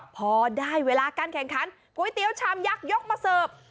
พอได้เวลาการแข่งขันก๋วยเตี๋ยวชามยักษ์ยกมาเสิร์ฟ